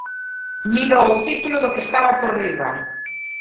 Mirou o título do que estaba por riba.